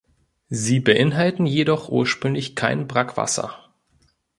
Sie beinhalten jedoch ursprünglich kein Brackwasser.